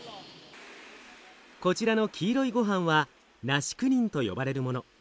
こちらの黄色いごはんはナシクニンと呼ばれるもの。